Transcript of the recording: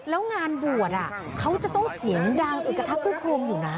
แล้วงานบวชเขาจะต้องเสียงดังกระทับคลุกคลวงอยู่นะ